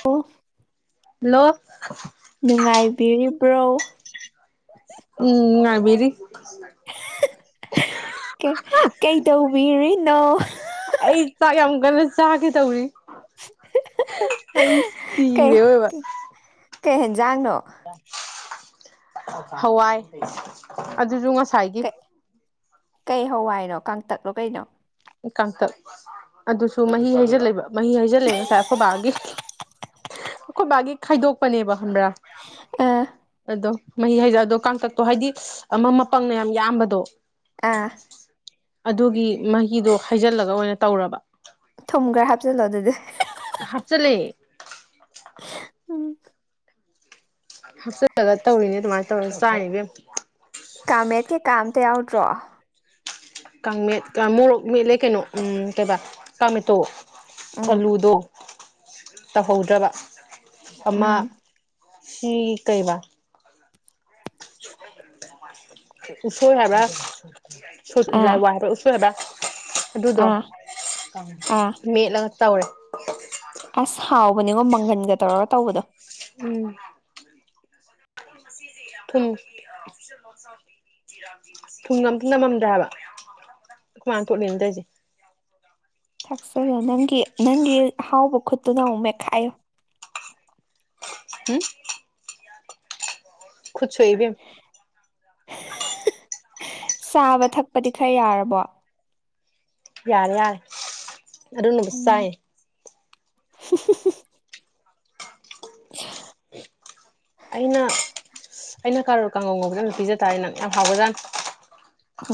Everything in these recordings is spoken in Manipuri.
ꯍ ꯍꯜꯂꯣ ꯅꯨꯡꯉꯥꯏꯕꯤꯔꯤꯕ꯭ꯔꯣ ꯎꯝ ꯉꯕꯤꯦꯔꯤ ꯀꯩ ꯇꯧꯕꯤꯔꯤꯅꯣ ꯉꯟꯅ ꯆꯥꯒꯦ ꯇꯧꯔꯤ ꯑꯩ ꯁꯤꯤꯔꯦ ꯀꯩ ꯇꯧꯕꯤꯔꯤꯅꯣ? ꯑꯣꯏꯕ ꯀꯩ ꯌꯦꯦꯟꯖꯥꯡꯅꯣ ꯍꯋꯥꯏ ꯑꯗꯨꯁꯨ ꯉꯁꯥꯏꯒꯤ ꯀꯩ ꯀꯩ ꯍꯋꯥꯏꯅꯣ ꯀꯪꯇꯛꯂꯣ ꯀꯩꯅꯣ ꯀꯥꯡꯥꯡꯇꯛ ꯑꯗꯨꯁꯨ ꯃꯍꯤ ꯍꯩꯖꯜꯂꯦꯕ ꯃꯍꯤ ꯍꯩꯖꯜꯂꯦ ꯉꯁꯥꯏ ꯑꯩꯈꯣꯏꯕꯥꯒꯤ ꯑꯩꯈꯣꯏꯕꯥꯒꯤ ꯈꯥꯏꯗꯣꯛꯄꯅꯦꯕ ꯈꯟꯕ꯭ꯔꯥ ꯑꯥ ꯑꯗꯣ ꯃꯍꯤ ꯖꯣ ꯑꯗꯣ ꯀꯥꯡꯇꯛꯇꯣ ꯍꯥꯏꯗꯤ ꯑꯃ ꯃꯄꯪꯅ ꯌꯥꯝ ꯌꯥꯝꯕꯗꯣ ꯑꯥ ꯑꯗꯨꯒꯤ ꯃꯍꯤꯗꯣ ꯍꯩꯖꯤꯜꯂꯒ ꯑꯣꯏꯅ ꯇꯧꯔꯕ ꯊꯨꯝ ꯈꯔ ꯍꯥꯞꯆꯤꯜꯂꯣ ꯑꯗꯨꯗꯤ ꯍꯥꯠꯆꯂꯦ ꯎꯝ ꯍꯄꯆꯟ ꯂꯒ ꯇꯧꯅꯤ ꯑꯗꯨ ꯃꯥ ꯇꯧ ꯆꯥꯦ ꯀꯥꯃꯦꯠ ꯀꯦ ꯀꯥꯝꯇ ꯌꯥꯎꯗ꯭ꯔꯣ ꯀꯥꯡ ꯃꯠ ꯃꯣꯔꯣꯛ ꯃꯦꯠꯂꯦ ꯀꯩꯅꯣ ꯎ ꯀꯩꯧꯕ ꯀꯥꯃꯦꯇꯣ ꯎꯝ ꯑꯂꯨꯗꯣ ꯇꯧꯍꯧꯗ꯭ꯔꯕ ꯑꯃ ꯍ ꯎꯝ ꯀꯩꯕ ꯎꯁꯣꯏ ꯍꯥꯏꯕ ꯂꯥꯏ ꯑꯥ ꯋꯥ ꯍꯕꯔ ꯎꯁꯣꯏ ꯍꯥꯏꯕꯔꯥ ꯑꯗꯨꯗꯣ ꯑꯥ ꯑꯥ ꯃꯦꯠꯂꯒ ꯇꯧꯔꯦ ꯑꯁ ꯍꯥꯎꯕꯅꯦꯉꯣ ꯃꯪꯒꯟꯒ ꯇꯧꯔꯒ ꯇꯧꯕꯗꯣ ꯎꯝ ꯊꯨꯝ ꯊꯨꯝ ꯉꯝ ꯑꯝ ꯅꯝꯃꯝꯗꯦꯕ ꯑꯩꯈꯣꯌ ꯃꯅꯥ ꯇꯣꯂꯤꯁꯦ ꯑꯁꯥ ꯅꯪꯒꯤ ꯅꯪꯒꯤ ꯍꯥꯎꯕ ꯈꯨꯠꯇꯨꯅ ꯑꯃꯨꯛ ꯃꯦꯠꯈꯥꯏꯌꯣ ꯎꯝ ꯇꯨꯀꯆꯩ ꯏꯕꯦꯝꯃꯥ ꯆꯥꯕ ꯊꯛꯄꯗꯤ ꯈꯔ ꯌꯥꯔꯕꯣ ꯌꯥꯔ ꯌꯥꯔ ꯑꯗꯨꯅꯕꯨ ꯆꯔꯤꯅꯦ [unintelligible] [unintelligible] ꯑꯩꯅ ꯑꯩꯅ ꯀꯥꯔꯣꯔ ꯀꯥꯡꯒꯧꯒꯨꯝꯕꯗ ꯑꯗꯨ ꯄꯤꯖ ꯇꯥꯔꯦ ꯅꯪ ꯌꯥꯝ ꯍꯥꯎꯕꯖꯥꯠ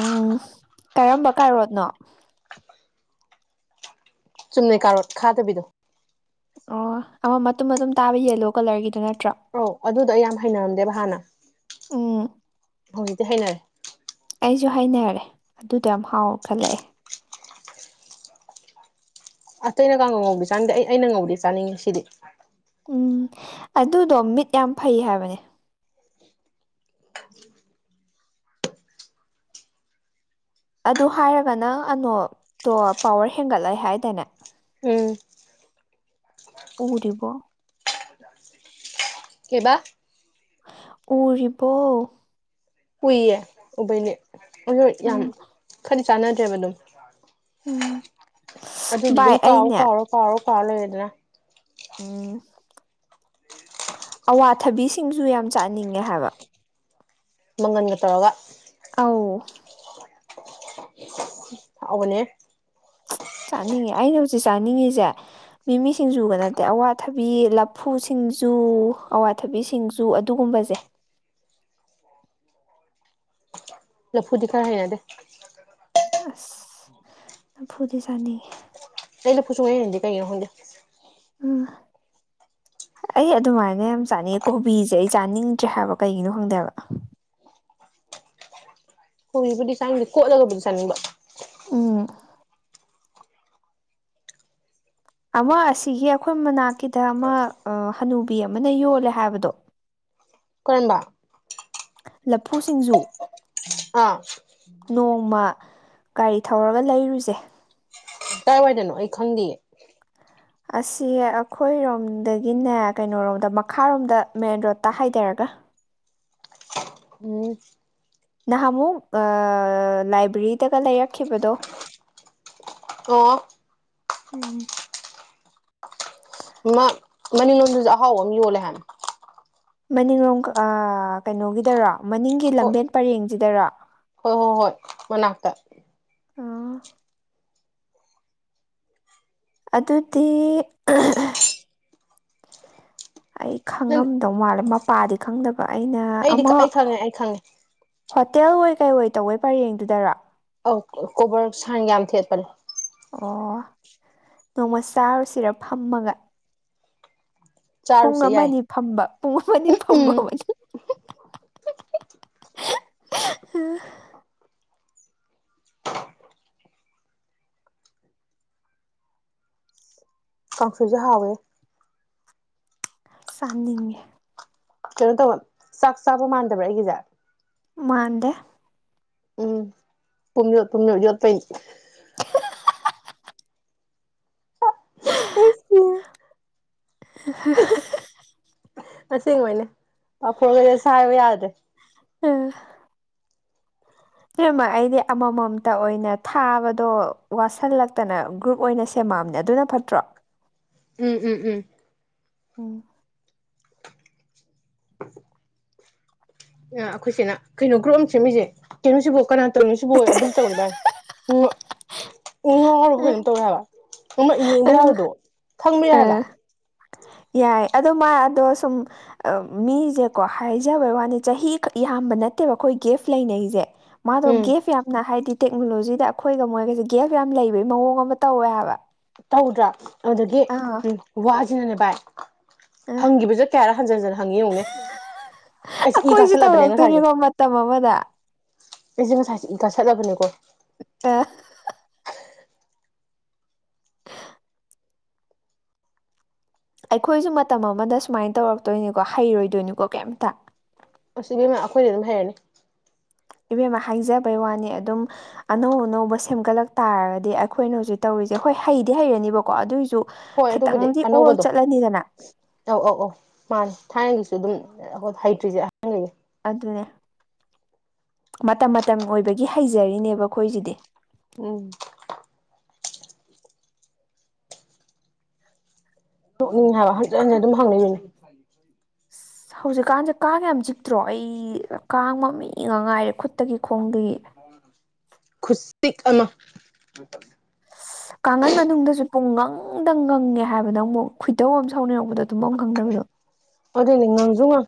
ꯎꯝ ꯀꯔꯝꯕ ꯀꯥꯔꯣꯠꯅꯣ ꯆꯨꯝꯅ ꯀꯥꯔꯣꯠ ꯈꯥꯗꯕꯤꯗꯣ ꯑꯣ ꯑꯃ ꯃꯇꯨꯝ ꯃꯇꯨꯝ ꯇꯥꯕ ꯌꯦꯂꯣ ꯀꯂꯔꯒꯤꯗꯨ ꯅꯠꯇ꯭ꯔ ꯑꯧ ꯑꯗꯨꯗꯣ ꯑꯩ ꯌꯥꯝ ꯍꯩꯅꯔꯝꯗꯦꯕ ꯍꯥꯟꯅ ꯎꯝ ꯍꯧꯖꯤꯛꯇꯤ ꯍꯩꯅꯔꯦ ꯑꯩꯁꯨ ꯍꯥꯏꯅꯔꯦ ꯑꯗꯨꯗꯣ ꯌꯥꯝ ꯍꯥꯎꯔ ꯈꯜꯂꯛꯑꯦ ꯑꯇꯩꯩꯅ ꯀꯥꯉꯧ ꯉꯧꯗꯤ ꯆꯥꯅꯤꯡꯗꯦ ꯑꯩ ꯑꯩꯅ ꯉꯧꯗꯤ ꯆꯥꯅꯤꯡꯉꯤ ꯁꯤꯗꯤ ꯎꯝ ꯑꯗꯨꯗꯣ ꯃꯤꯠ ꯌꯥꯝ ꯐꯩ ꯍꯥꯏꯕꯅꯦ ꯑꯗꯨ ꯍꯥꯏꯔꯒ ꯅꯪ ꯑꯅꯣꯠꯇꯣ ꯄꯋꯥꯔ ꯍꯦꯟꯒꯠꯂꯛꯦ ꯍꯥꯏꯇꯥꯅꯦ ꯎꯝ ꯎꯗꯔ꯭ꯤꯕꯣ ꯀꯩꯕꯥ ꯎꯔꯤꯕꯣ ꯀꯨꯏꯌꯦ ꯎꯕꯩꯅꯦ ꯍꯍꯣꯏ ꯌꯥꯝ ꯎꯝ ꯈꯗꯤ ꯆꯥꯟꯅꯗ꯭ꯔꯦꯕ ꯑꯗꯨꯝ ꯎꯝ ꯑꯗꯨꯗꯤ ꯚꯥꯏ ꯑꯗꯨꯝ ꯀꯥꯎꯑꯣꯣ ꯑꯩꯅꯦ ꯀꯥꯎꯔꯣ ꯀꯥꯎꯔꯣ ꯀꯥꯎ ꯂꯩꯔꯦꯗꯅ ꯎꯝ ꯑꯋꯥꯊꯕꯤꯁꯤꯡꯁꯨ ꯌꯥꯝ ꯆꯥꯅꯤꯡꯉꯦ ꯍꯥꯏꯕ ꯃꯪꯒꯟꯒ ꯇꯧꯔꯣꯒ ꯑꯎ ꯍꯥꯎꯕꯅꯦ ꯆꯥꯅꯤꯡꯉꯤ ꯑꯩꯅ ꯍꯧꯖꯤꯛ ꯆꯥꯅꯤꯡꯉꯤꯁꯦ ꯃꯤꯃꯤ ꯁꯤꯡꯖꯨꯒ ꯅꯠꯇꯦ ꯑꯋꯥꯊꯕꯤ ꯂꯐꯨꯁꯤꯡ ꯁꯤꯡꯖꯨ ꯑꯋꯥꯊꯕꯤ ꯁꯤꯡꯖꯨ ꯑꯗꯨꯒꯨꯝꯕꯁꯦ [unintelligible] ꯂꯐꯨꯗꯤ ꯈꯥꯔ ꯍꯥꯏꯅꯥꯗꯦ ꯑꯁ ꯅꯝ ꯐꯨꯗꯤ ꯆꯥꯅꯤ ꯇꯩꯅ ꯐꯁꯨ ꯀꯩꯅ ꯍ [inaudible] ꯑꯩ ꯑꯗꯨꯃꯥꯏꯅ ꯌꯥꯝ ꯆꯥꯅꯤꯡꯉꯦ ꯀꯣꯕꯤꯁꯦ ꯑꯩ ꯆꯥꯅꯤꯡꯗ꯭ꯔꯦ ꯍꯥꯏꯕ ꯀꯩꯒꯤꯅꯣ ꯈꯪꯗꯦꯕ ꯎ ꯍꯣꯏꯕꯨꯗꯤ ꯁꯥꯅꯤꯡꯗꯦ ꯀꯣꯠꯂꯒꯕꯨꯗꯤ ꯁꯥꯅꯤꯡꯕ ꯎꯝ ꯑꯃ ꯑꯁꯤꯒꯤ ꯑꯩꯈꯣꯏ ꯃꯅꯥꯛꯀꯤꯗ ꯑꯃ ꯍꯅꯨꯕꯤ ꯑꯃꯅ ꯌꯣꯜꯂꯦ ꯍꯥꯏꯕꯗꯣ ꯀꯔꯝꯕ ꯂꯐꯨ ꯁꯤꯡꯖꯨ ꯑꯥ ꯅꯣꯡꯃ ꯒꯥꯔꯤ ꯊꯧꯔꯒ ꯂꯩꯔꯨꯁꯦ ꯀꯗꯥꯥꯏꯋꯥꯏꯗꯅꯣ ꯑꯩ ꯈꯪꯗꯦꯌꯦ ꯑꯁꯤ ꯑꯩꯈꯣꯏꯔꯣꯝꯗꯒꯤꯅꯦ ꯀꯩꯅꯣꯣꯔꯣꯝꯗ ꯃꯈꯥꯔꯣꯝꯗ ꯃꯦꯟ ꯔꯣꯠꯇ ꯍꯥꯏꯊꯔꯒ ꯑ ꯎꯝ ꯅꯍꯥꯟꯃꯨꯛ ꯂꯥꯏꯕ꯭ꯔꯦꯔꯤꯗꯒ ꯂꯩꯔꯛꯈꯤꯕꯗꯣ ꯑꯣ ꯎꯝ ꯃꯅꯤꯡꯂꯣꯝꯗꯨꯁꯨ ꯑꯍꯥꯎꯕ ꯑꯃ ꯌꯣꯜꯂꯦ ꯍꯥꯏꯥꯟꯅ ꯃꯅꯤꯡꯂꯣꯝ ꯀꯩꯅꯣꯒꯤꯗꯔꯣ ꯃꯅꯤꯡꯒꯤ ꯍꯣꯏ ꯂꯝꯕꯦꯟ ꯄꯔꯦꯡꯁꯤꯗꯔꯣ ꯍꯣꯏ ꯍꯣꯏ ꯍꯣꯏ ꯃꯅꯥ ꯇ ꯑꯗꯨꯗꯤ ꯑꯩ ꯅꯪ ꯈꯪꯉꯝꯗꯧ ꯃꯥꯜꯂꯦ ꯃꯄꯥꯗꯤ ꯈꯪꯗꯕ ꯑꯩꯅ ꯑꯩꯗꯤ ꯑꯃ ꯑꯩ ꯈꯪꯉꯦ ꯑꯩ ꯈꯪꯉꯦ ꯍꯣꯇꯦꯜ ꯑꯣꯏꯣꯏ ꯀꯩ ꯑꯣꯏ ꯇꯧꯋꯦ ꯄꯔꯦꯡꯗꯨꯗꯔꯥ ꯑ ꯀꯣꯕꯔ ꯁꯥꯡ ꯌꯥꯝ ꯊꯦꯠꯄꯅꯦ ꯑꯣ ꯅꯣꯡꯃ ꯆꯥꯔꯨꯁꯤꯔ ꯐꯝꯃꯒ ꯄꯨꯡ ꯆꯥꯔꯨꯁꯦ ꯑꯃ ꯌꯥꯏ ꯐꯝꯕ ꯄꯨꯡ ꯑꯃꯅꯤ ꯐꯝꯕ ꯎꯝ ꯎ ꯄꯁꯤꯨꯖꯦ ꯍꯥꯋꯦ ꯆꯥꯅꯤꯡꯉꯤ ꯀꯩꯅꯣ ꯇꯧꯕ ꯆꯥꯛ ꯆꯥꯕ ꯃꯥꯟꯗꯕ꯭ꯔꯥ ꯑꯩꯒꯤꯁꯦ ꯃꯥꯥꯟꯗꯦ ꯎꯝ ꯇꯨꯝ ꯌꯣ ꯇꯨꯝꯅꯣ ꯌꯠꯄꯅꯤ [inaudible] ꯑꯁꯦꯡꯕꯅꯦ ꯐ ꯍꯥꯏꯕ ꯌꯥꯗ꯭ꯔꯦ ꯑꯥ ꯃ ꯑꯩꯗꯤ ꯑꯃꯃꯝꯇ ꯑꯣꯏꯅ ꯊꯥꯕꯗꯣ ꯋꯥꯠꯁꯤꯜꯂꯛꯇꯅ ꯒ꯭ꯔꯨꯞ ꯑꯣꯏꯅ ꯍꯦꯃꯥꯝꯅꯦ ꯑꯗꯨꯅ ꯐꯠꯇ꯭ꯔꯣ ꯎꯝ ꯎꯝ ꯎꯝ ꯎꯝ ꯑꯩꯈꯣꯏꯁꯤꯅ ꯀꯩꯅꯣ ꯒ꯭ꯔꯨꯞ ꯑꯃ ꯁꯦꯝꯦ ꯃꯤꯁꯦ ꯀꯩꯅꯣꯁꯤꯕꯣ ꯀꯅꯥ ꯇꯧꯔꯤꯅꯣ ꯁꯤꯕꯣ ꯑꯗꯨꯝ ꯇꯧꯅꯤ ꯚꯥꯏ ꯎ ꯎ ꯉꯥꯎꯔꯔꯕ ꯑ ꯀꯩꯅꯣꯝ ꯇꯧꯋꯦ ꯍꯥꯏꯕ ꯅꯅ ꯌꯦꯡꯕ ꯌꯥꯕꯗꯣ ꯈꯪꯕ ꯌꯥ ꯑ ꯍꯥꯏꯕ ꯌꯥꯏ ꯑ ꯃꯥ ꯑꯗꯣ ꯁꯨꯝ ꯃꯤꯁꯦꯀꯣ ꯍꯥꯏꯖꯕꯩ ꯋꯥꯅꯤ ꯆꯍꯤ ꯈꯛ ꯌꯥꯝ ꯝꯕ ꯅꯠꯇꯦꯕ ꯑꯩꯈꯣꯏ ꯒꯤꯐ ꯂꯩꯅꯩꯁꯦ ꯃꯥꯗꯣ ꯎꯝ ꯒꯤꯐ ꯌꯥꯝꯅ ꯍꯥꯏꯗꯤ ꯇꯦꯛꯅꯣꯂꯣꯖꯤꯗ ꯑꯩꯈꯣꯏꯒ ꯃꯣꯏꯒꯁꯦ ꯒꯦꯞ ꯌꯥꯝ ꯂꯩꯕꯒꯤ ꯃꯑꯣꯡ ꯑꯃ ꯇꯧꯋꯦ ꯍꯥꯏꯕ ꯇꯧꯗ꯭ꯔꯥ ꯑꯗꯨꯗꯒꯤ ꯑꯥ ꯎꯝ ꯋꯥꯁꯤꯅꯅꯦ ꯚꯥꯏ ꯑꯥ ꯍꯪꯈꯤꯕꯁꯦ ꯀꯌꯥꯔ ꯍꯟꯖꯤꯟ ꯍꯟꯖꯤꯟ ꯍꯪꯉꯤ ꯌꯦꯡꯉꯨꯅꯦ ꯑꯩꯁꯦ ꯏ ꯑꯩꯈꯣꯏꯁꯨ ꯀꯥꯁꯜꯂꯛꯑꯕꯅꯦ ꯉꯁꯥꯏꯁꯦ ꯇꯧꯔꯛꯇꯣꯏꯅꯤꯀꯣ ꯃꯇꯝ ꯑꯃꯗ ꯑꯩꯁꯦ ꯉꯁꯥꯏꯁꯦ ꯏꯪꯀ ꯁꯠꯂꯕꯅꯦꯀꯣ ꯑ ꯑꯩꯈꯣꯏꯁꯨ ꯃꯇꯝ ꯑꯃꯗ ꯁꯨꯃꯥꯏꯅ ꯇꯧꯔꯛꯇꯣꯏꯅꯤꯀꯣ ꯍꯩꯔꯣꯏꯗꯣꯏꯅꯤꯀꯣ ꯀꯦꯝꯇ ꯑꯁꯤꯕꯦꯝꯃ ꯑꯩꯈꯣꯏꯗꯤ ꯑꯗꯨꯝ ꯍꯩꯔꯅꯤ ꯏꯕꯦꯝꯃ ꯍꯥꯏꯖꯕꯩ ꯋꯥꯅꯤ ꯑꯗꯨꯝ ꯑꯅꯧ ꯑꯅꯧꯕ ꯁꯦꯝꯒꯠꯂꯛ ꯇꯥꯔꯒꯗꯤ ꯑꯩꯈꯣꯏꯅ ꯍꯧꯖꯤꯛ ꯇꯧꯔꯤ ꯖꯦ ꯈꯣꯏ ꯍꯩꯗꯤ ꯍꯩꯔꯅꯦꯕꯀꯣ ꯑꯗꯨꯑꯣꯏꯁꯨ ꯍꯣꯏ ꯑꯗꯨꯕꯨꯗꯤ ꯑꯅꯧꯕꯗꯣ ꯑꯧ ꯑꯧ ꯑꯧ ꯃꯥꯅꯦ ꯊꯥꯏꯅꯒꯤꯁꯨ ꯑꯗꯨꯝ ꯑꯩꯈꯣꯏ ꯍꯩꯇ꯭ꯔꯤꯁꯦ ꯑꯍꯟꯒꯩꯅꯤ ꯑꯗꯨꯅꯦ ꯃꯇꯝ ꯃꯇꯝ ꯑꯣꯏꯕꯒꯤ ꯍꯩꯖꯔꯤꯅꯦꯕ ꯑꯩꯈꯣꯏꯁꯤꯗꯤ ꯎꯝ ꯎꯪ ꯍꯥꯏꯕ ꯍꯟꯖꯤꯟ ꯍꯟꯖꯤꯟ ꯑꯗꯨꯝ ꯍꯪꯂꯩꯅꯤ [inaudible] ꯑꯁ ꯍꯧꯖꯤꯛꯀꯥꯟꯁꯦ ꯀꯥꯡ ꯌꯥꯝ ꯆꯤꯛꯇ꯭ꯔꯣ ꯑꯩ ꯀꯥꯡꯃꯛ ꯏ ꯉꯥꯛ ꯉꯥꯏꯔꯦ ꯈꯨꯠꯇꯒꯤ ꯈꯣꯡꯗꯒꯤ ꯈꯨꯆꯤꯛ ꯑꯃ ꯏꯁ ꯀꯥꯡꯈꯟ ꯃꯅꯨꯡꯗꯁꯨ ꯄꯨꯡꯉꯪꯗ ꯉꯪꯉꯦ ꯍꯥꯏꯕ ꯅꯪꯕꯣ ꯑꯃꯨꯛ ꯈꯣꯏꯗꯧ ꯌꯥꯝ ꯁꯥꯎꯅꯤꯡꯉꯛꯄꯗꯣ ꯇꯨꯝꯕꯝ ꯈꯪꯗꯕꯗꯣ ꯑꯗꯨꯒꯤꯉꯪꯁꯨ ꯉꯪ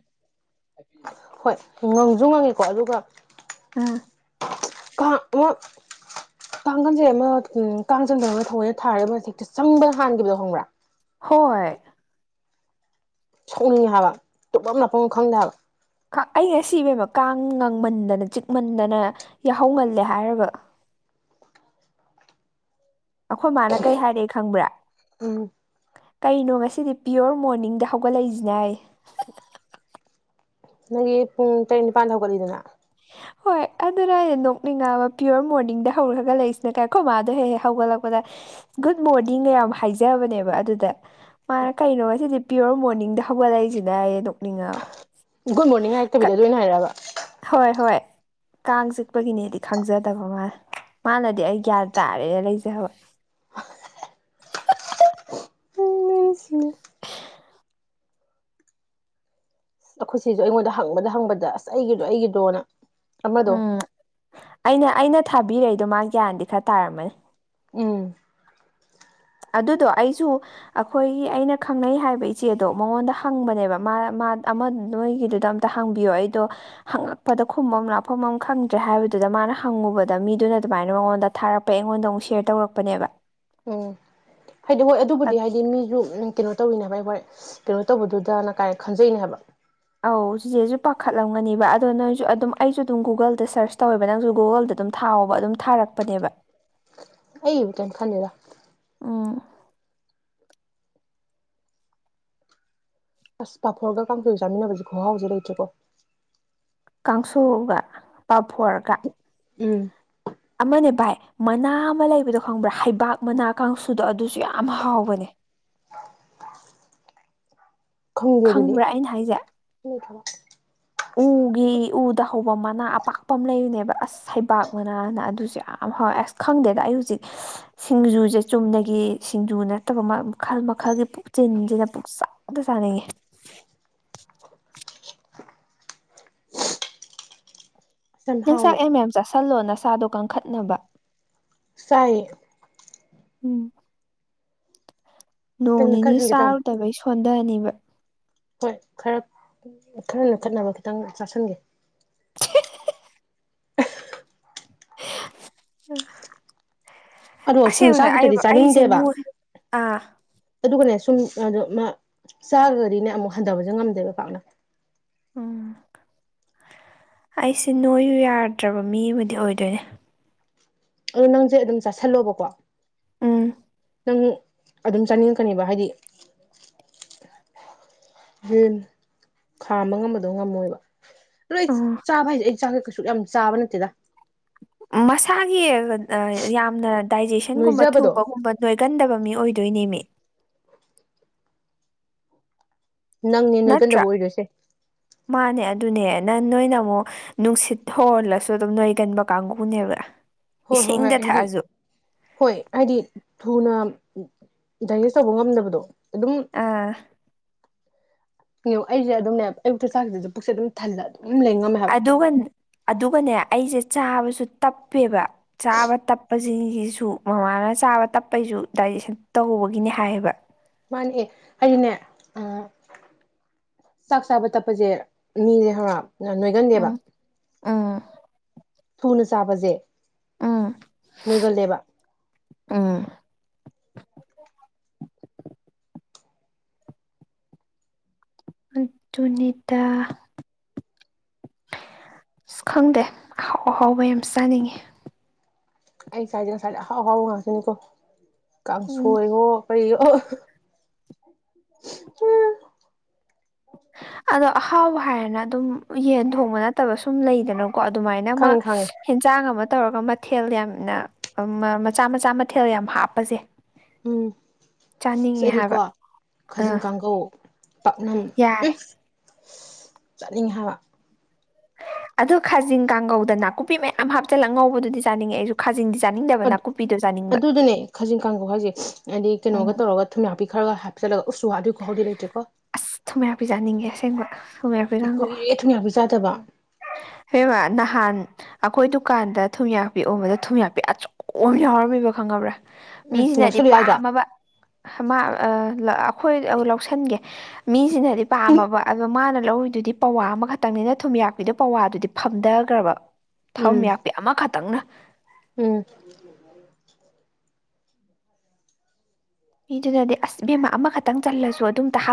ꯍꯣꯏ ꯉꯪꯁꯨ ꯉꯪꯉꯤꯀꯣ ꯑꯗꯨꯒ ꯑꯥ ꯀꯥꯡ ꯃꯨꯛ ꯀꯥꯡꯈꯟꯁꯦ ꯑꯃ ꯎꯪ ꯀꯥꯡ ꯆꯪꯗꯅꯕ ꯊꯧꯑꯣꯏꯅ ꯊꯥꯔꯦ ꯑꯃꯖꯦ ꯍꯦꯛꯇꯥ ꯆꯪꯕꯩ ꯍꯥꯟꯒꯤꯕꯗꯣ ꯈꯡꯕ꯭ꯔꯥ ꯍꯣꯏ ꯁꯥꯎꯅꯤꯡꯉꯦ ꯍꯥꯏꯕ ꯇꯨꯝꯕꯝ ꯂꯥꯛꯐꯝ ꯒ ꯈꯪꯗꯦ ꯍꯥꯏꯕ ꯑꯩ ꯑꯁꯤꯕꯦꯝꯃ ꯀꯥꯡ ꯉꯪꯃꯟꯗꯅ ꯆꯤꯛꯃꯟꯗꯅ ꯌꯥꯍꯧꯉꯜꯂꯦ ꯍꯥꯏꯔꯒ ꯑꯩꯈꯣꯏ ꯃꯥꯅ ꯀꯩ ꯍꯥꯏꯔꯛꯑꯦ ꯈꯪꯕ꯭ꯔꯥ ꯎꯝ ꯀꯩꯅꯣ ꯉꯁꯤꯗꯤ ꯄꯤꯌꯣꯔ ꯃꯣꯔꯅꯤꯡꯗ ꯍꯧꯒꯠꯂꯛꯏꯁꯤ ꯍꯥꯏꯔꯤ ꯅꯪꯒꯤ ꯄꯨꯡ ꯇꯔꯦꯠ ꯅꯤꯄꯥꯟꯗ ꯍꯧꯒꯠꯂꯤꯗꯅ ꯍꯣꯏ ꯑꯗꯨꯅꯦ ꯍꯥꯏꯖꯦ ꯅꯣꯛꯅꯤꯡꯉꯕ ꯄꯤꯌꯣꯔ ꯃꯣꯔꯅꯤꯡꯗ ꯍꯧ ꯍꯧꯒꯠꯂꯛꯏꯁꯤꯅ ꯀꯥꯏ ꯑꯩꯈꯣꯏ ꯃꯥꯗꯣ ꯍꯦꯛ ꯂꯩꯔꯤꯁꯤꯅ ꯀꯥꯏ ꯑꯩꯈꯣꯏ ꯃꯥꯗꯣ ꯍꯦꯛ ꯍꯦꯛ ꯍꯧꯒꯠꯂꯛꯄꯗ ꯒꯨꯗ ꯃꯣꯔꯅꯤꯡ ꯌꯥꯝ ꯍꯥꯏꯖꯕꯅꯦꯕ ꯑꯗꯨꯗ ꯃꯥꯅ ꯀꯩꯅꯣ ꯉꯁꯤꯗꯤ ꯄꯤꯌꯣꯔ ꯃꯣꯔꯅꯤꯡꯗ ꯍꯧꯒꯠꯂꯛꯏꯁꯤꯅ ꯑꯩ ꯑꯗꯨꯝ ꯒꯨꯗ ꯃꯣꯔꯅꯤꯡ ꯍꯥꯏꯔꯛꯇꯕꯤꯗ ꯑꯗꯨ ꯑꯣꯏꯅ ꯍꯥꯏꯔꯕ ꯍꯣꯏ ꯍꯣꯏ ꯀꯥꯡ ꯆꯤꯛꯄꯒꯤꯅꯦꯗꯤ ꯈꯪꯖꯗꯕ ꯃꯥꯜꯂꯦ ꯃꯥꯅꯗꯤ ꯑꯩ ꯒ꯭ꯌꯥꯟ ꯇꯥꯔꯦ ꯂꯩꯖꯕ [unintelligible] ꯑꯩꯈꯣꯏ ꯆꯦꯁꯨ ꯑꯩꯉꯣꯟꯗ ꯍꯪꯕꯗ ꯍꯪꯕꯗ ꯑꯁ ꯑꯩꯒꯤꯗꯣ ꯑꯩꯒꯤꯗꯣꯅ ꯑꯃꯗꯣ ꯎꯝ ꯑꯩꯅ ꯑꯩꯅ ꯊꯥꯕꯤꯔꯛꯏꯗꯣ ꯃꯥ ꯒ꯭ꯌꯥꯟꯗꯤ ꯈꯔ ꯇꯥꯔꯝꯃꯅꯤ ꯎꯝ ꯑꯗꯨꯗꯣ ꯑꯩꯁꯨ ꯑꯩꯈꯣꯏꯒꯤ ꯑꯩꯅ ꯈꯪꯅꯩ ꯍꯥꯏꯕ ꯏꯆꯦꯗꯣ ꯃꯉꯣꯟꯗ ꯍꯪꯕꯅꯦꯕ ꯃꯥꯅ ꯃꯥꯅ ꯑꯃ ꯅꯣꯏꯒꯤꯗꯨꯗ ꯑꯝꯇ ꯍꯥꯡꯕꯤꯌꯣ ꯑꯩꯗꯣ ꯍꯪꯉꯛꯄꯗ ꯈꯨꯝꯕꯝ ꯂꯥꯛꯐꯝ ꯑꯃ ꯈꯪꯗ꯭ꯔꯦ ꯍꯥꯏꯕꯗꯨꯗ ꯑꯗꯣ ꯃꯥꯅ ꯍꯪꯉꯨꯕꯗ ꯃꯤꯗꯨꯅ ꯑꯗꯨꯃꯥꯏꯅ ꯃꯉꯣꯟꯗ ꯊꯥꯔꯛꯄ ꯑꯩꯉꯣꯟꯗ ꯑꯃꯨꯛ ꯁꯦꯌꯔ ꯇꯧꯔꯛꯄꯅꯦꯕ ꯎꯝ ꯍꯥꯏꯗꯤ ꯍꯣꯏ ꯑꯗꯨꯕꯨꯗꯤ ꯍꯥꯏꯗꯤ ꯃꯤꯁꯨ ꯀꯩꯅꯣ ꯇꯧꯋꯤꯅꯦ ꯋꯥꯏ ꯋꯥꯏ ꯍ ꯀꯩꯅꯣ ꯇꯧꯕꯗꯨꯗꯅ ꯀꯥꯏ ꯈꯟꯖꯩꯅꯦ ꯍꯥꯏꯕ ꯑꯧ ꯆꯦꯁꯦꯁꯨ ꯄꯥꯈꯠꯂꯝꯒꯅꯦꯕ ꯑꯗꯣ ꯅꯪꯁꯨ ꯑꯗꯨꯝ ꯑꯩꯁꯨ ꯑꯗꯨꯝ ꯒꯨꯒꯜꯗ ꯁꯔꯁ ꯇꯧꯋꯦꯕ ꯅꯪꯁꯨ ꯒꯨꯒꯜꯗ ꯑꯗꯨꯝ ꯊꯥ ꯊꯥꯎꯕ ꯑꯗꯨꯝ ꯊꯥꯔꯛꯄꯅꯦꯕ ꯑꯩ [unintelligible] ꯎꯝ ꯑꯁ ꯄꯥꯐꯣꯔꯒ ꯀꯥꯡꯈꯩꯒ ꯆꯥꯃꯤꯟꯅꯕꯁꯦ ꯈꯍꯥꯎꯁꯦ ꯂꯩꯇ꯭ꯔꯦꯀꯣ ꯀꯥꯡꯁꯨꯒ ꯄꯥꯐꯣꯔꯒ ꯎꯝ ꯑꯃꯅꯦ ꯚꯥꯏ ꯃꯅꯥ ꯑꯃ ꯂꯩꯕꯗꯣ ꯈꯪꯕ꯭ꯔꯥ ꯍꯩꯕꯥꯛ ꯃꯅꯥ ꯀꯥꯡꯁꯨꯗꯣ ꯑꯗꯨꯁꯨ ꯌꯥꯝ ꯍꯥꯎꯕꯅꯦ ꯈꯪꯗꯦꯗꯨꯗꯤ ꯈꯪꯕ꯭ꯔꯥ ꯑꯩꯅ ꯍꯥꯏꯁꯦ [unintelligible] ꯒꯤ ꯎꯗ ꯍꯧꯕ ꯃꯅꯥ ꯑꯄꯥꯛꯄ ꯑꯃ ꯂꯩꯔꯤꯅꯦꯕ ꯑꯁ ꯍꯩꯕꯥꯛ ꯃꯅꯥꯅ ꯑꯗꯨꯁꯨꯦ ꯌꯥꯝ ꯑꯁ ꯈꯪꯗꯦꯗ ꯑꯩ ꯍꯧꯖꯤꯛ ꯁꯤꯡꯖꯨꯁꯦ ꯆꯨꯝꯅꯒꯤ ꯁꯤꯡꯖꯨ ꯅꯠꯇ꯭ꯔꯕ ꯃꯈꯜ ꯃꯈꯜꯒꯤ ꯄꯨ ꯁꯤꯦꯅ ꯄꯨꯛ ꯁꯥꯗ ꯁꯥꯟꯅꯌꯦꯦ [inaudible] ꯑꯁ ꯌꯥꯝ ꯅꯤꯡꯅꯨꯡꯆꯥꯛ ꯍꯥꯎꯋꯦ ꯑꯦꯝ ꯑꯦꯝ ꯆꯥꯁꯤꯜꯂꯣ ꯅꯁꯥꯗꯣ ꯀꯟꯈꯠꯅꯕ ꯁꯥꯏ ꯎꯝ ꯅꯣꯡ ꯈꯤꯇꯪ ꯅꯤꯅꯤ ꯅꯛꯈꯠꯍꯟꯒꯦ ꯇꯧꯅꯤ ꯆꯥꯔꯨꯗꯕꯩ ꯁꯣꯟꯊꯅꯤꯕ ꯍꯣꯏ ꯈꯔ ꯈꯔ ꯅ ꯈꯠꯅꯕ ꯈꯤꯇꯪ ꯆꯥꯥꯁꯟꯒꯦ ꯎ ꯑꯗꯣ ꯁꯨꯝ ꯆꯥꯛꯒꯤꯗꯗꯤ ꯆꯥꯅꯤꯡꯗꯦꯕ ꯅꯣꯏ ꯑꯥ ꯑꯗꯨꯒꯅꯦ ꯁꯨꯝ ꯑꯗꯣ ꯃꯥ ꯆꯥꯈꯒꯗꯤꯅꯦ ꯑꯃꯨꯛ ꯍꯟꯊꯕꯁꯨ ꯉꯝꯗꯦꯕ ꯄꯥꯛꯅ ꯎꯝ ꯑꯩꯁꯦ ꯅꯣꯏꯁꯨ ꯌꯥꯗ꯭ꯔꯕ ꯃꯤ ꯑꯃꯗꯤ ꯑꯣꯏꯗꯣꯏꯅꯦ ꯑꯗꯨ ꯅꯪꯁꯦ ꯑꯗꯨꯝ ꯆꯥꯥꯁꯜꯂꯣꯕꯀꯣ ꯎꯝ ꯅꯪ ꯑꯗꯨꯝ ꯆꯥꯅꯤꯡꯉꯛꯀꯅꯦꯕ ꯍꯥꯏꯗꯤ ꯈꯥꯝꯕ ꯉꯝꯕꯗꯣ ꯉꯝꯃꯣꯏꯕ ꯑꯗꯣ ꯑꯩ ꯎꯝ ꯆꯥꯕ ꯍꯥꯏꯁꯦ ꯑꯩ ꯆꯥꯛ ꯀꯩꯁꯨ ꯌꯥꯝ ꯆꯥꯕ ꯅꯠꯇꯦꯗ ꯃꯁꯥꯒꯤ ꯌꯥꯝꯅ ꯗꯥꯏꯖꯦꯁꯟꯒꯨꯝꯕ ꯅꯣꯏꯖꯕꯗꯣ ꯊꯨꯕꯒꯨꯝꯕ ꯅꯣꯏꯒꯟꯗꯕ ꯃꯤ ꯑꯣꯏꯗ ꯑꯗꯨꯣꯏꯅꯦꯃꯤ ꯅꯪꯅꯦ ꯅꯣꯏ ꯅꯠꯇ꯭ꯔꯥ ꯀꯟꯗꯕꯨ ꯑꯣꯏꯔꯣꯏꯁꯦ ꯃꯥꯅꯦ ꯑꯗꯨꯅꯦ ꯅꯪ ꯅꯣꯏꯅ ꯑꯃꯨꯛ ꯅꯨꯡꯁꯤꯠ ꯍꯍꯜꯂꯁꯨ ꯑꯗꯨꯝ ꯅꯣꯏꯒꯟꯕ ꯀꯥꯡꯕꯨꯅꯦꯕ ꯍꯣꯏ ꯍꯣꯏ ꯍꯣꯏ ꯏꯁꯤꯡꯗ ꯍꯥꯏꯗꯤ ꯊꯛꯑꯁꯨ ꯍꯣꯏ ꯍꯥꯏꯗꯤ ꯊꯨꯅ ꯗꯥꯏꯖꯦꯁ ꯇꯧꯕ ꯉꯝꯗꯕꯗꯣ ꯑꯗꯨꯝ ꯑꯥ ꯌꯦ ꯑꯩꯁꯦ ꯑꯗꯨꯝꯅꯦ ꯑꯌꯨꯛꯛꯇ ꯆꯥꯛꯁꯤꯗꯁꯨ ꯄꯨꯛꯁꯦ ꯑꯗꯨꯝ ꯊꯜꯂ ꯑꯗꯨ ꯑꯗꯨꯒ ꯑꯗꯨꯒꯅꯦ ꯑꯩꯁꯦ ꯆꯥꯕꯁꯨ ꯇꯞꯄꯦꯕ ꯆꯥꯕ ꯇꯞꯄꯁꯤꯡꯁꯤꯁꯨ ꯃꯃꯥꯅ ꯆꯥꯕ ꯇꯞꯄꯩꯁꯨ ꯗꯥ ꯁ ꯇꯧꯕꯒꯤꯅꯦ ꯍꯥꯏꯌꯦꯕ ꯃꯥꯅꯦ ꯑꯩꯅꯦ ꯑ ꯆꯥꯛ ꯆꯥꯕ ꯇꯞꯄꯁꯦ ꯃꯤꯁꯦ ꯍꯔ ꯑ ꯑꯥ ꯊꯨꯅ ꯆꯥꯕꯁꯦ ꯎꯝ ꯅꯣꯏꯒꯜꯂꯦꯕ ꯎꯝ ꯨꯅꯤꯇꯥ ꯑꯁ ꯈꯪꯗꯦ ꯑꯍꯥꯎ ꯑꯍꯥꯎꯕ ꯌꯥꯝ ꯆꯥꯅꯤꯡꯉꯤ ꯑꯩ ꯁꯋꯥꯏꯗꯦ ꯉꯁꯥꯏꯗ ꯑꯍꯥꯎ ꯑꯍꯥꯎ ꯉꯥꯛꯇꯅꯤꯀꯣ ꯎꯝ ꯀꯥꯡꯁꯣꯏꯔꯣ ꯀꯔꯤ ꯑꯣ ꯎꯝ ꯑꯗꯣ ꯑꯍꯥꯎꯕ ꯍꯥꯏꯔꯅ ꯑꯗꯨꯝ ꯌꯦꯟ ꯊꯣꯡꯕ ꯅꯠꯇꯕ ꯁꯨꯝ ꯂꯩꯗꯅ ꯀꯣ ꯑꯗꯨꯃꯥꯏꯅ ꯑꯃ ꯈꯪꯉꯦ ꯈꯪꯉꯦ ꯍꯦꯟꯁꯥꯡ ꯑꯃ ꯇꯧꯔꯒ ꯃꯊꯦꯜ ꯌꯥꯝꯅ ꯃꯆꯥ ꯃꯆꯥ ꯃꯊꯦꯜ ꯌꯥꯝ ꯍꯥꯞꯄꯁꯦ ꯎꯝ ꯆꯥꯅꯤꯡꯉꯦ ꯍꯥꯏꯕ ꯁꯤꯗꯤꯀꯣ ꯈꯥꯖꯤꯡ ꯑꯥ ꯀꯥꯡꯒꯧ ꯄꯥꯛꯅꯝ ꯌꯥꯔꯦ ꯆꯠꯅꯤꯡꯉ ꯍꯥꯏꯕ ꯑꯗꯣ ꯈꯥꯖꯤꯡ ꯀꯥꯡꯒꯧꯗ ꯅꯥꯀꯨꯞꯄꯤ ꯃꯌꯥꯝ ꯍꯥꯞꯆꯤꯜꯂꯒ ꯉꯧꯕꯗꯨꯗꯤ ꯆꯥꯅꯤꯡꯉꯦ ꯑꯩꯁꯨ ꯈꯥꯖꯗꯤ ꯆꯥꯅꯤꯡꯗꯕ ꯅꯥꯀꯨꯞꯄꯤꯗꯣ ꯆꯥꯅꯤꯡꯕ ꯑꯗꯨꯗꯨꯅꯦ ꯈꯥꯖꯤꯡ ꯀꯥꯡꯒꯧ ꯍꯥꯏꯁꯦ ꯍꯥꯏꯗꯤ ꯀꯩꯅꯣꯒ ꯎꯝ ꯇꯧꯔꯒ ꯊꯨꯝꯅꯥꯄꯤ ꯈꯔꯒ ꯍꯥꯞꯆꯤꯜꯂꯒ ꯎꯁꯨ ꯋꯥꯕꯤꯀꯣ ꯍꯧꯥꯎꯗꯤ ꯂꯩꯇꯦꯀꯣ ꯑꯁ ꯊꯨꯝꯌꯥꯛꯄꯤ ꯆꯥꯅꯤꯡꯉꯦ ꯑꯁꯦꯡꯕ ꯊꯨꯝꯌꯥꯛꯄꯤ ꯀꯥꯡꯒꯧ ꯀꯨꯏꯔꯦ ꯊꯨꯡ ꯌꯥꯕ ꯆꯥꯗꯕ ꯍꯦꯕ ꯅꯍꯥꯟ ꯑꯩꯈꯣꯏ ꯗꯨꯀꯥꯟꯗ ꯊꯨꯝꯌꯥꯛ ꯄꯤꯛ ꯎꯕꯗ ꯊꯨꯝꯌꯥꯄꯤ ꯑꯆꯧꯝ ꯌꯥꯎꯔꯝꯃꯤꯕ ꯈꯪꯉꯕ꯭ꯔꯥ ꯎꯝ ꯃꯤꯁꯤꯅꯗꯤ ꯂꯧꯁꯜꯂꯨ ꯌꯥꯗ꯭ꯔꯣ ꯄꯥꯝꯃꯕ ꯑꯩꯈꯣꯏ ꯂꯧꯁꯤꯟꯒꯦ ꯃꯤꯁꯤꯅꯗꯤ ꯄꯥꯝꯃꯕ ꯑ ꯃꯥꯅ ꯂꯧꯗꯨꯗꯤ ꯄꯋꯥ ꯑꯃꯈꯛꯇꯪꯅꯤꯅ ꯊꯨꯝꯌꯥꯛꯄꯤꯗꯣ ꯄꯋꯥꯗꯨꯗꯤ ꯐꯝꯊꯈ꯭ꯔꯕ ꯊꯝ ꯎꯝ ꯌꯥꯄꯤꯦ ꯑꯃꯈꯛꯇꯪꯅ ꯎꯝ ꯃꯤꯗꯨꯅꯗꯤ ꯑꯁ ꯕꯦꯝꯃꯥ ꯑꯃꯈꯛꯇꯪ ꯆꯜꯂꯁꯨ ꯑꯗꯨꯝꯇ ꯍꯥꯞ